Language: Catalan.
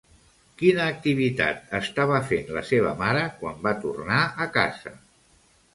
Quina activitat estava fent la seva mare quan va tornar a casa?